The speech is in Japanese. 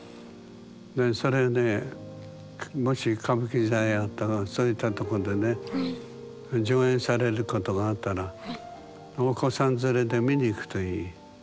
でそれでもし歌舞伎座やったらそういったとこでね上演されることがあったらお子さん連れで見に行くといい。